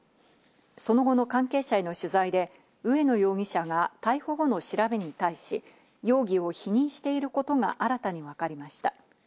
その後の関係者への取材で植野容疑者が逮捕後の調べに対し、容疑を否認していることが新たに分かりました。